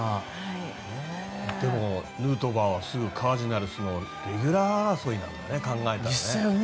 でも、ヌートバーはすぐカージナルスのレギュラー争いなんだね。